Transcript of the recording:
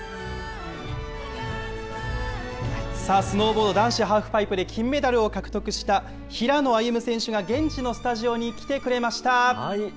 スノーボード男子ハーフパイプで金メダルを獲得した、平野歩夢選手が現地のスタジオに来てくれました。